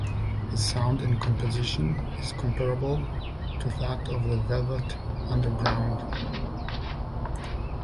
His sound and composition is comparable to that of the Velvet Underground.